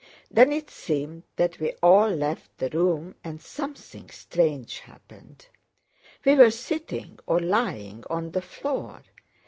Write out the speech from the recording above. Then it seemed that we all left the room and something strange happened. We were sitting or lying on the floor.